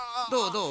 どう？